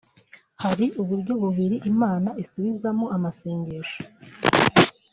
Hari uburyo bubiri Imana isubizamo amasengesho